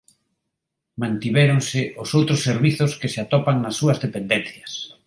Mantivéronse os outros servizos que se atopan nas súas dependencias.